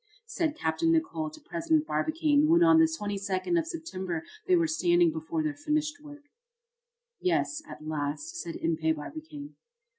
said Capt. Nicholl to President Barbicane, when on the 22d of September they were standing before their finished work. "Yes, at last," said Impey Barbicane.